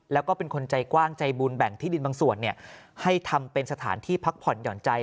แล้วก็เป็นคนใจกว้างใจบุญแบ่งที่ดินบางส่วนให้ทำเป็นสถานที่พักผ่อนหย่อนใจ